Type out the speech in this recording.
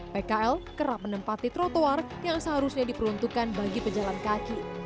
pkl kerap menempati trotoar yang seharusnya diperuntukkan bagi pejalan kaki